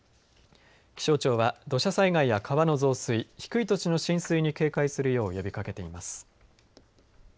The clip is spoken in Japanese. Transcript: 気象庁は、土砂災害や川の増水低い土地の浸水に警戒するよう呼びかけています。